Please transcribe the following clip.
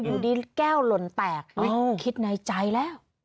อยู่ดีแก้วหล่นแตกคิดในใจแล้ว